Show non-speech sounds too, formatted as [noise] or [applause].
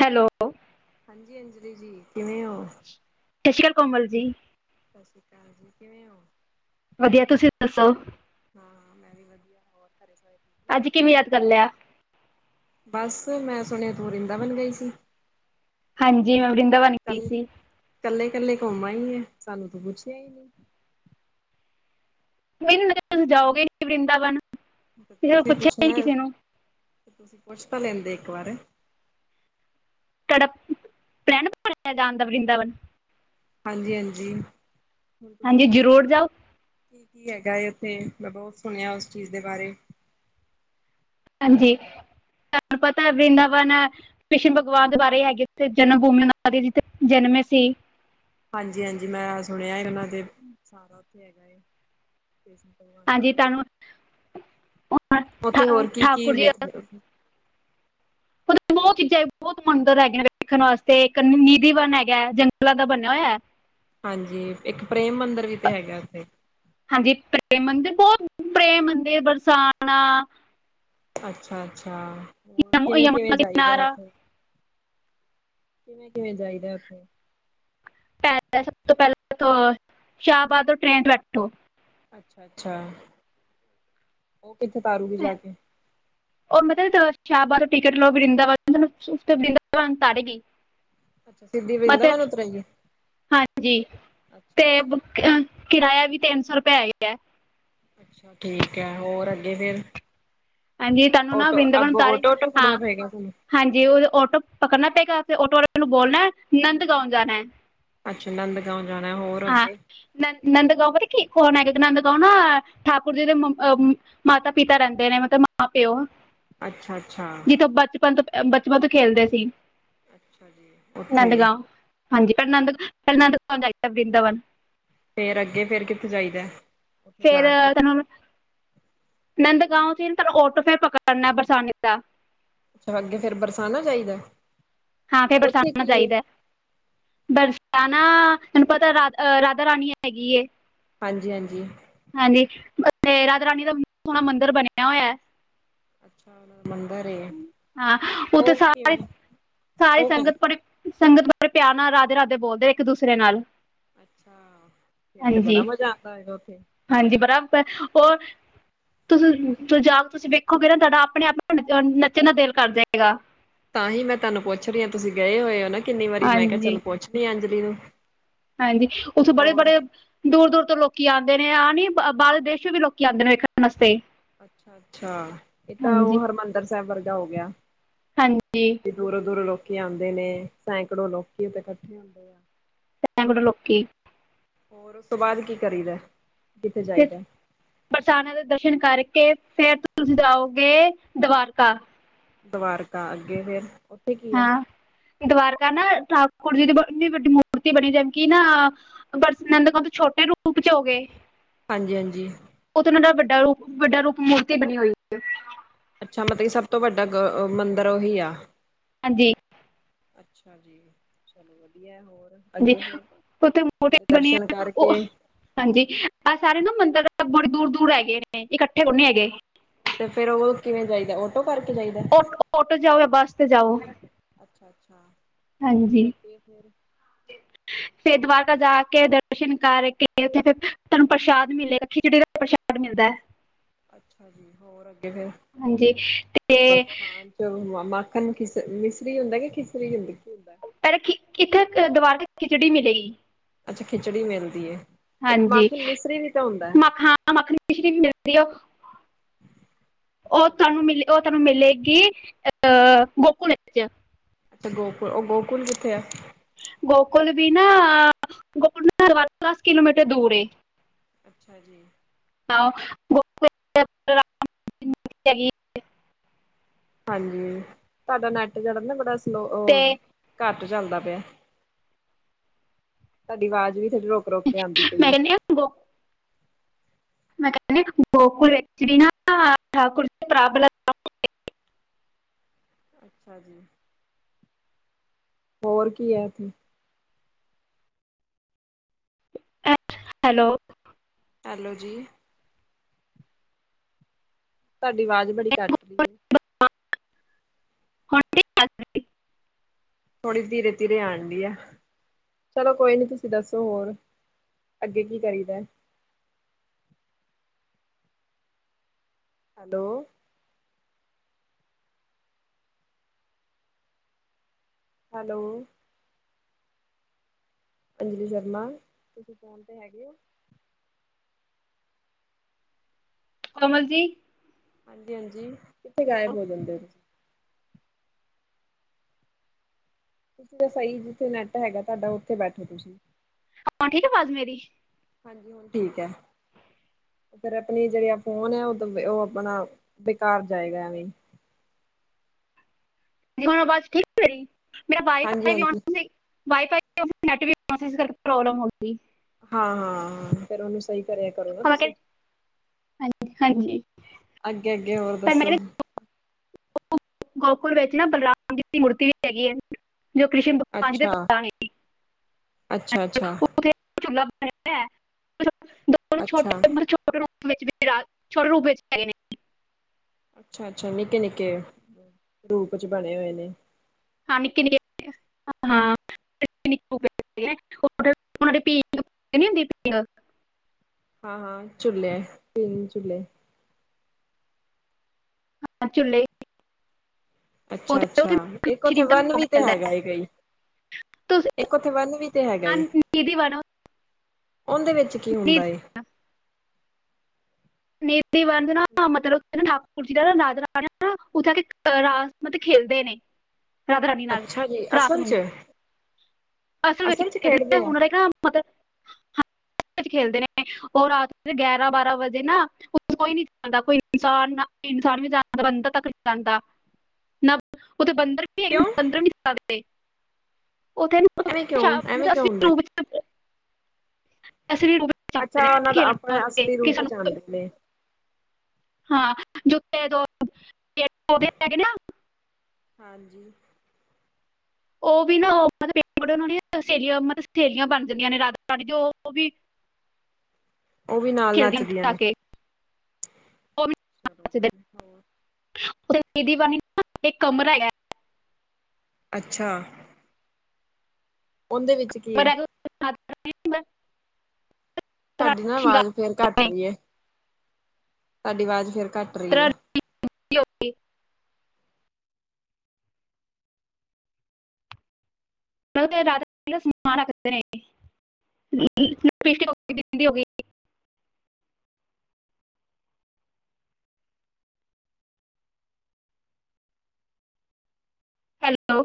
Hello. ਹਾਂਜੀ ਹਾਂਜੀ, ਵੀਰ ਜੀ ਕਿਵੇਂ ਔ? ਸਤਿ ਸ਼੍ਰੀ ਅਕਾਲ ਕੋਮਲ ਜੀ। ਸਤਿ ਸ਼੍ਰੀ ਅਕਾਲ ਜੀ ਕਿਵੇਂ ਓ? ਵਧੀਆ ਤੁਸੀਂ ਦੱਸੋ? ਹਾਂ ਹਾਂ, ਮੈਂ ਵੀ ਵਧੀਆ ਹੋਰ ਘਰੇ ਸਾਰੇ, ਨੇ? ਅੱਜ ਕਿਵੇਂ ਯਾਦ ਕਰ ਲਿਆ। ਬਸ ਮੈਂ ਸੁਣਿਆ ਤੂੰ ਵਰਿੰਦਾਬਨ ਗਈ ਸੀ। ਹਾਂਜੀ, ਮੈਂ ਵਰਿੰਦਾਵਨ ਗਈ ਸੀ। ਇਕੱਲੇ-ਇਕੱਲੇ ਘੁੰਮਾ ਹੀ ਆ ਸਾਨੂੰ ਤੂੰ ਪੁੱਛਿਆ ਹੀ ਨੀ। ਕੋ ਮ ਤੁਸੀਂ ਜਾਓਗੇ, ਵਰਿੰਦਾਵਨ ਤੇ ਕਿਸੇ ਨੂੰ ਤੁਸੀਂ ਪੁੱਛਿਆ ਪੁੱਛਣਾ ਨਹੀਂ ਕਿਸੇ ਨੂੰ। ਤੁਸੀਂ ਪੁੱਛ ਤਾਂ ਲੈਂਦੇ ਇੱਕ ਵਾਰੇ, [unintelligible] ਵਰੀਦਾਵਨ, ਹਾਂਜੀ-ਹਾਂਜੀ, ਹੁਣ ਤੁਸੀਂ ਹਾਂਜੀ ਦੱਸੋ? ਜ਼ਰੂਰ ਜਾਓ ਕੀ-ਕੀ ਹੈਗਾ, ਉੱਥੇ ਮੈਂ ਬਹੁਤ ਸੁਣਿਆ ਉਸ ਚੀਜ਼ ਦੇ ਬਾਰੇ। ਹਾਂਜੀ, ਤੁਹਾਨੂੰ ਪਤਾ ਵ੍ਰੰਦਾਵਨ ਕ੍ਰਿਸ਼ਨ ਭਗਵਾਨ ਦੇ ਬਾਰੇ ਹੈਗੇ, ਜਨਮ ਭੂਮੀ ਜਿੱਥੇ ਜਨਮੇ ਸੀ। ਹਾਂਜੀ-ਹਾਂਜੀ, ਮੈਂ ਸੁਣਿਆ ਉਹਨਾਂ ਦੇ ਸਾਰਾ ਉੱਥੇ ਹੈਗਾ ਕ੍ਰਿਸ਼ਨ ਭਗਵਾਨ ਹਾਂਜੀ ਬਾਰੇ, ਤੁਹਾਨੂੰ ਉਹ ਉੱਥੇ ਠਾ- ਹੋਰ ਕੀ ਕੀ ਠਾਕੁਰ ਜੀ ਵੇਖਦੇ [unintelligible] ਬਹੁਤ ਚੀਜ਼ਾਂ ਬਹੁਤ ਮੰਦਰ ਹੈਗੀਆ, ਨੇ ਵੇਖਣ ਵਾਸਤੇ ਇੱਕ ਨਿਧੀਵਨ ਹੈਗਾ, ਜੰਗਲਾਂ ਦਾ ਬਣਿਆ ਹੋਇਆ ਹੈਂ ਹਾਂਜੀ, ਇੱਕ ਪ੍ਰੇਮ ਮੰਦਰਿਰ ਵੀ ਤੇ ਹੈਗਾ ਉੱਥੇ, ਹਾਂਜੀ, ਪ੍ਰੇਮ ਮੰਦਿਰ ਬਹੁਤ ਪ੍ਰੇਮ ਮੰਦਿਰ ਬਰਸਾਣਾ। ਅੱਛਾ-ਅੱਛਾ, ਹੋਰ ਯਮ- ਕਿਵੇਂ ਯਮੁਨਾ ਕਿਵੇਂ ਚਈਦਾ ਕਿਨਾਰਾ ਉੱਥੇ ਕਿਵੇਂ-ਕਿਵੇਂ ਜਾਈਦਾ ਉੱਥੇ ਪ ਸਭ ਤੋਂ ਪਹਿਲਾਂ ਸ਼ਾਹਬਾਦ ਤੋਂ ਟ੍ਰੇਨ ਚ ਬੈਠੋ, ਅੱਛਾ-ਅੱਛਾ, ਉਹ ਕਿੱਥੇ ਤਾਰੂਗੀ ਜਾ ਕੇ ਉਹ ਮਤਲਬ ਸ਼ਾਹਬਾਦ ਤੋਂ ਟਿਕਟ ਲਓ, ਵਰਿੰਦਾਵਨ ਉਸ ਵਦਾਵਨ ਤਾਰੇਗੀ। ਅੱਛਾ ਸਿੱਧੀ ਮਤਲਬ ਵਰਿੰਦਾਵਨ ਉਤਰੇਗੀ ਹਾਂਜੀ ਅੱਛਾ ਤੇ, ਅੱਛਾ ਕਿਰਾਇਆ ਵੀ ਤਿੰਨ ਸੌ ਰੁਪਇਆ ਹੇਗਾ। ਅੱਛਾ ਠੀਕ ਹੈ, ਹੋਰ ਅੱਗੇ ਫੇਰ ਹਾਂਜੀ ਤੁਹਾਨੂੰ ਨਾ ਓਟੋ ਵਰਿੰਦਾਵਨ ਅੱਗੋਂ ਤਾਰੇ ਓਟੋ-ਓਟੋ ਫੜਨਾ ਹਾਂ ਪਏ ਗਿਆ, ਤੁਹਾਨੂੰ। ਹਾਂਜੀ, ਉਹ ਟੋ ਪਕੜਨਾ ਪਏਗਾ, ਟੋ ਵਾਲੇ ਮੈਨੂੰ ਬੋਲਣਾ ਆਨੰਦ ਗਉਣ ਜਾਣਾ। ਅੱਛਾ ਨੰਦ ਗਾਉ ਜਾਣਾ, ਹੋਰ ਹਾਂ ਅੱਗੇ ਨ ਨੰਦ ਗਾਓ ਕੀ ਕੌਣ ਹੈਗਾ, ਨੰਦ ਗਾਂਉ ਨਾ ਠਾਕੁਰ ਜੀ ਦੇ ਮਾਤਾ ਪਿਤਾ ਰਹਿੰਦੇ ਨੇ ਮਤਲਬ ਮਾਂ ਪਿਓ ਅੱਛਾ ਅੱਛਾ ਜਿਥੋਂ ਬਚਪਨ ਤੋਂ ਬਚਪਨ ਤੋਂ ਖੇਲਦੇ ਸੀ। ਅੱਛਾ ਜੀ ਉੱਥੇ ਵੀ, ਨੰਦਗਾਂਵ ਹਾਂਜੀ, ਪ੍ਰਨੰਦ-ਪ੍ਰਨੰਦ ਕ ਜਾਈਦਾ ਵ੍ਰਿੰਦਾਵਨ ਫੇਰ ਅੱਗੇ ਫੇਰ ਕਿੱਥੇ ਜਾਈਦਾ। ਉੱਥੋਂ ਫੇਰ ਜਾ ਕੇ ਤਨੂੰ ਨੰਦ ਗਾਉ ਚ ਹੀ ਨਾ ਤਾਨੂੰ ਔਟੋ ਫਿਰ ਪਕੜਨਾ ਬਰਸਾਨੀ ਦਾ। ਅੱਛਾ, ਅੱਗੇ ਫੇਰ ਬਰਸਾਨਾ ਚਾਹੀਦਾ। ਹਾਂ, ਫੇਰ ਬਰਸਾਨਾ ਜਾਈਦਾ ਏ। ਬਰਸਾਣਾ ਤੈਨੂੰ ਪਤਾ ਰਾ ਰਾਧਾ ਰਾਣੀ ਹੈਗੀ ਐ। ਹਾਂਜੀ, ਹਾਂਜੀ, ਹਾਂਜੀ, ਰਾਧਾ ਰਾਣੀ ਦਾ ਸੋਹਣਾ ਮੰਦਿਰ ਬਣਿਆ ਹੋਇਆ। ਅੱਛਾ, ੳਹਨਾ ਦਾ ਮੰਦਿਰ ਏ। ਹਾਂ, ਉੱਥੇ ਉਹ ਕਿਵੇਂ ਸਾਰੀ ਸਾਰੀ ਉਹ ਕ ਸੰਗਤ ਬੜ ਸੰਗਤ ਬਾਰੇ ਪਿਆਰ ਨਾਲ ਰਾਧੇ-ਰਾਧੇ ਬੋਲਦੇ ਇੱਕ ਦੂਸਰੇ ਨਾਲ ਅੱਛਾ, ਫਿਰ ਤੇ ਹਾਂਜੀ ਬੜਾ ਮਜ਼ਾ ਆਉਂਦਾ ਹੈਗਾ ਉੱਥੇ ਹਾਂਜੀ, ਬੜ ਉਹਰ ਤੁਸੀਂ ਜਾ ਕੇ ਤੁਸੀਂ ਵੇਖੋਗੇ, ਨਾ ਤੁਹਾਡਾ ਆਪਣੇ ਆਪ ਨੱਚਣ ਦਾ ਦਿਲ ਕਰ ਜਾਏਗਾ। ਤਾਂ ਹੀ ਮੈਂ ਤੁਹਾਨੂੰ ਪੁੱਛ ਰਹੀ ਹਾਂ ਤੁਸੀਂ ਗਏ ਹੋਏ, ਹੋ ਨਾ ਕਿੰਨੀ ਵਾਰੀ ਮੈਂ ਕਿਹਾ, ਹਾਂਜੀ ਚੱਲ ਪੁੱਛਣੀ ਅੰਜਲੀ ਨੂੰ। ਹਾਂਜੀ, ਉੱਥੇ ਬੜੇ ਹੋਰ। ਬੜੇ ਦੂਰ-ਦੂਰ ਤੋਂ ਲੋਕੀ ਆਉਂਦੇ ਨੇ ਆ, ਨੀ ਬਾਹਰਲੇ ਦੇਸ਼ ਚ ਵੀ ਲੋਕੀ ਆਉਂਦੇ ਨੇ ਵੇਖਣ ਵਾਸਤੇ। ਅੱਛਾ-ਅੱਛਾ, ਇਹ ਤਾਂ ਹਾਂਜੀ ਉਹ ਹਰਿਮੰਦਰ ਸਾਹਿਬ ਵਰਗਾ ਹੋ ਗਿਆ। ਹਾਂਜੀ। ਦੂਰੋਂ ਦੂਰੋਂ ਲੋਕੀ ਆਉਂਦੇ ਨੇ ਸੈਂਕੜੋ ਲੋਕੀ ਤੇ ਇਕੱਠੇ ਹੁੰਦੇ ਆ ਐਵੇਂ ਦੇ ਲੋਕੀ। ਹੋਰ ਉਸ ਤੋਂ ਬਾਅਦ ਕੀ ਕਰੀਦਾ, ਕਿੱਥੇ ਜਾਈਦਾ? ਬਰਸਾਾਨਾ ਦੇ ਦਰਸ਼ਨ ਕਰਕੇ, ਫੇਰ ਤੁਸੀਂ ਜਾਓਗੇ ਦਵਾਰਕਾ। ਦੁਬਾਰਕ ਅੱਗੇ ਫੇਰ ਕੀ ਆ? ਹਾਂ ਦਵਾਰਕਾ ਨਾ ਠਾਕੁਰ ਜੀ ਦੀ ਬਨੀ ਵੱਡੀ ਮੂਰਤੀ ਬਣੀ ਜਿਵੇ ਕਿ ਨਾ ਪਰਸ ਨੰਦਕਾਂ ਤੋਂ ਛੋਟੇ ਰੂਪ ਚ ਹੋ ਗਏ। ਹਾਂਜੀ ਹਾਂਜੀ। ਉਥੇ ਉਹਨਾਂ ਦਾ ਵੱਡਾ ਰੂਪ, ਵੱਡਾ ਰੂਪ ਮੂਰਤੀ ਬਣੀ ਹੋਈ। ਤੇ ਅੱਛਾ ਮਤਲਬ ਕਿ ਸਭ ਤੋਂ ਵੱਡਾ ਮੰਦਿਰ ਉਹੀ ਆ। ਹਾਂਜੀ। ਅੱਛਾ ਜੀ ਚਲੋ ਵਧੀਆ ਹੋਰ। ਜੀ ਅੱਗੇ ਫੇਰ ਉੱਥੇ ਉਹਦੇ ਮੂਰਤੀਆਂ ਦਰਸ਼ਨ ਬਣੀਆਂ ਉਹ ਕਰਕੇ ਹਾਂਜੀ, ਆਹ ਸਾਰੇ ਨਾ ਮੰਦਿਰ ਬੜੇ ਦੂਰ ਦੂਰ ਹੈਗੇ ਨੇ, ਇਕੱਠੇ ਕੋਈ ਨੀ ਹੈਗੇ। ਤੇ ਫੇਰ ਉਹ ਕਿਵੇਂ ਜਾਈਦਾ, ਓਟੋ ਕਰਕੇ ਜਾਈਦਾ? ਓਟੋ ਜਾਓ ਜਾਂ ਬੱਸ ਤੇ ਜਾਓ। ਅੱਛਾ ਅੱਛਾ ਫੇਰ ਹਾਂਜੀ। ਅੱਗੇ ਫੇਰ ਫੇਰ ਦੁਆਾਰਕਾ ਜਾ ਕੇ ਦਰਸ਼ਨ ਕਰਕੇਥੇ ਫਿਰ ਤੁਹਾਨੂੰ ਪ੍ਰਸ਼ਾਦ ਮਿਲੇ ਖਿਚੜੀ ਦਾ ਪ੍ਰਸ਼ਾਦ ਮਿਲਦਾ ਅੱਛਾ ਜੀ ਹੋਰ ਅੱਗੇ ਫਿਰ ਹਾਂਜੀ ਤੇ ਬਾਂ ਮਾੱਖਣ ਨੂੰ ਖਿਸ ਮਿਸਰੀ ਹੁੰਦਾ ਕਿ ਖਿਸਰੀ ਹੁੰਦੀ ਕੀ ਹੁੰਦਾ? ਪਹਿਲਾਂ ਦੁਆਰਕਾ ਖਿਚੜੀ ਮਿਲੇਗੀ। ਅੱਛਾ ਖਿਚੜੀ ਮਿਲਦੀ ਏ। ਇੱਕ ਹਾਂਜ ਮਾਖਣ ਮਿਸਰੀ ਵੀ ਤਾਂ ਹੁੰਦਾ। ਮਾਖਨ ਮਿਛਰੀ ਵੀ ਮਿਲਦੀ ਆ ਉਹ ਅੱਛਾ ਤੁਹਾਨੂੰ ਮੈਂ ਅੱਛਾ, ਉਹ ਤੁਹਾਨੂੰ ਮਿਲੇਗੀ ਅਹ ਗੋਕੁਲ ਵਿੱਚ ਤੇ ਗੋਕ ਗੋਕੁਲ ਉਹ ਗੋਕੁਲ ਕਿੱਥੇ ਆ? ਗੋਕੁਲ ਵੀ ਨਾ ਗੋਕੁਲ ਘਰ ਤੋਂ ਦਸ ਕਿਲੋਮੀਟਰ ਦੂਰ ਏ। ਅੱਛਾ ਜੀ। [unintelligible] ਹਾਂਜੀ ਤੁਹਾਡਾ ਨੈਟ ਵਰਕ ਨਾ ਬੜਾ ਸਲੋ ਤੇ ਘੱਟ ਚੱਲਦਾ ਪਿਆ ਤੁਹਾਡੀ ਆਵਾਜ਼ ਵੀ ਥੋਡੀ ਰੋਕ [unintelligible] ਮੈਂ ਕਹਿੰਦੀ ਹਾਂ ਗੋਕੁਲ ਮੈਂ ਕਹਿਨੀ ਹਾਂ ਗੋਕਲ ਵ ਨਾ ਠਾਕੁਰ ਪ੍ਰਾਬਲ ਅੱਛਾ ਜੀ, ਹੋਰ ਕੀ ਐ ਉੱਥੇ? ਹੈਲੋ ਹੈਲੋ ਜੀ। ਤੁਹਾਡੀ ਆਵਾਜ਼ ਬੜੀ ਕੱਟ ਰਹੀ ਹੈ। ਹੁਣ ਨਹੀਂ ਕੱਟਦੀ ਥੋੜੀ ਧੀਰੇ ਧੀਰੇ ਆਣ ਡਹੀ ਆ। ਚਲੋ ਕੋਈ ਨਹੀਂ ਤੁਸੀਂ ਦੱਸੋ ਹੋਰ ਅੱਗੇ ਕੀ ਕਰੀਦਾ ਹੈਲੋ ਹੈਲੋ। ਅੰਜਲੀ ਸ਼ਰਮਾ ਤੁਸੀਂ ਫੋਨ ਤੇ ਹੈਗੇ ਹੋ? ਕੋਮਲ ਜੀ। ਹਾਂਜੀ ਹਾਂਜੀ ਕਿੱਥੇ ਗਾਇਬ ਹੋ ਜਾਂਦੇ ਹੋ ਤੁਸੀਂ ਤਾਂ ਸਹੀ ਜਿੱਥੇ ਨੈੱਟ ਹੈਗਾ ਤੁਹਾਡਾ ਉੱਥੇ ਬੈਠੋ ਤੁਸੀਂ ਹੁਣ ਠੀਕ ਆਵਾਜ਼ ਮੇਰੀ। ਹਾਂਜੀ ਹੁਣ ਠੀਕ ਐ। ਫੇਰ ਆਪਣੀ ਜਿਹੜੀ ਅ ਫੋਨ ਓ ਉਹ ਉਹ ਆਪਣਾ ਬੇਕਾਰ ਜਾਏਗਾ ਐ ਵੀ। ਜੀ ਮਨੂੰ ਆਵਾਜ਼ ਠੀਕ ਹੈੇਰੀ ਮੇਰਾ ਭਾਈ ਹਾਂਜੀ-ਹਾਂਜੀ ਵੀ। ਵਾਈਫਾਈੈ ਨੈਟ ਵੀਕੇ ਪ੍ਰੋਬਲਮ ਹੋ ਗ। ਹਾਂ ਹਾਂ ਹਾਂ ਫੇਰ ਉਹਨੂੰ ਸਹੀ ਕਰਿਆ। ਕਰੋ ਨਾ ਖਲੋ ਕੇ ਤੁਸੀਂ। ਹਾਂਜੀ ਹਾਂਜੀ। ਅੱਗੇ ਅੱਗੇ ਹੋਰ ਪਰ ਮੈਂ ਦੱਸੋ? ਕਹਿੰਦੀ ਗੋਕੁਲ ਵੇਚਣਾ ਬਲਰਾਮ ਜੀ ਦੀ ਮੂਰਤੀ ਵੀ ਹੈਗੀ ਏ ਜੋ ਕ੍ਰਿਸ਼ਨ ਭਗਵਾਨ ਜੀ ਦੇ ਪਿਤਾ ਨੇਂ। ਅੱਛਾ ਅੱਛਾ। [unintelligible] ਅੱਛਾ। ਛੋਟੇ ਵਿੱਚ ਵੀ ਛੋਟੇ ਰੂਪ ਵਿੱਚ ਹੈਗੇ ਨੇ ਅੱਛਾ ਅੱਛਾ ਨਿੱਕੇ ਨਿੱਕੇ ਰੂਪ ਚ ਬਣੇ ਹੋਏ ਨੇ। ਹਾਂ ਨਿੱਕੇ ਨਿੱਕੇ ਹਾਂ। [unintelligible] ਹਾਂ ਹਾਂ ਝੁੱਲੇ ਤਿੰਨ ਝੁੱਲੇ। ਹਾਂ ਝੁੱਲੇ। ਅੱਛਾ ਅੱਛਾ ਇੱਕ ਸ਼੍ਰੀ ਉੱਥੇ ਦਾ ਵਨ ਭੋਗ ਵੀ ਤੇ ਮਿਲਦਾ ਹੈ। ਹੈਗਾ ਕਈ। ਤੁਸੀਂ ਇੱਕ ਉਥੇ ਵੰਨ ਵੀ ਤੇ ਹੈਗਾ ਆ ਏ। ਨੀਦੀ ਵਨ ਉਹਦੇ ਵਿੱਚ ਕੀ ਨੀ- ਹੁੰਦਾ ਏ? ਨਿਤੀ ਵੰਦਨਾ ਮਤਲਬ ਨਾ ਰਾਜ ਉੱਥੇ ਆ ਕੇ ਰਾਤ ਨੂੰ ਨਾ ਖੇਲਦੇ ਨੇ। ਰਾਧਾ ਰਾਾਣੀ ਨਾਲ ਅੱਛਾ ਜੀ, ਰਾਤ ਅਸਲ ਚ ਨੂੰ। ਅਸਲ ਵਿੱਚ ਚ ਕਹਿੰਦੇ ਖੇਡਦੇ ਆ, ਹੁਣ ਨਾ ਮਤਲਬ ਹਾਂ ਆਪਸ ਚ ਖੇਲਦੇ ਨੇ ਉਹ ਰਾਤ ਗਿਆਰਾਂ ਬਾਰਾਂ ਵਜੇ ਨਾ ਉੱਥੇ ਕੋਈ ਨੀ ਜਾਂਦਾ ਕੋਈ ਇਨਸਾਨ ਇਨਸਾਨ ਵੀ ਜਾਦਾ ਬੰਦਾ ਤੱਕ ਨਹੀਂ ਜਾਂਦਾ। ਨਾ ਉਥੇ ਬੰਦਰ ਵੀ ਹੈਗੇ ਕਿਉਂ ਬੰਦਰ ਨੀ ਛੱਡਦੇ। ਉਥੇਤਲੂ। ਐਵੇਂ ਕਿਉਂ ਐਵੇਂ ਕਿਉਂ ਹੁੰਦਾ? ਅਸੀ ਵੀ ਅੱਛਾ, ਜਾਂਦੇ ਵ ਉਹਨਾਂ ਦਾ ਖੇਲਣ ਆਪਣੇ ਵਾਸਤੇ ਅਸਲੀ ਕਿ ਰੂਪ ਚ ਸਾਨੂੰ ਆਂਦੇ ਨੇ ਹਾਂ ਜੁਤੇ ਹੈਗੇ ਨਾ। ਹਾਂਜੀ। ਉਹ ਵੀ ਨਾਬ ਉਹ ਨੇ ਸਹੇਲੀਆਂ ਮਤਲਬ ਸਹੇਲੀਆਂ ਬਣ ਜਾਂਦੀਆਂ ਨੇ ਰਾਦਾ ਰਾਣੀ ਉਹ ਵੀ। ਉਹ ਵੀ ਨਾਲ ਖੇਲਦੀਆਂ ਨੱਚਦੀਆਂ ਤਾਂ ਨੇ। ਕੇ ਉਹਦੀ ਇੱਕ ਦੀਵਾਨ ਨਾ ਇੱਕ ਕਮਰਾ ਹੈਗਾ। ਅੱਛਾ। ਉਹਦੇ ਵਿੱਚ ਕੀ ਹੈ? [unintelligible] ਰਾਧਾ ਤਵਾਡੀ ਨਾ ਰਾਣੀ ਆਵਾਜ਼ ਸ਼ਿੰਗਾਰ ਫੇਰ ਘੱਟ ਨੇ ਰਹੀ ਹੈ ਤਵਾਡੀ ਆਵਾਜ਼ ਫੇਰ ਘੱਟ ਰਹੀ ਹੈ। Okay okay. ਰਾ ਰੱਖਦੇ ਨੇ ਹੈਲੋ।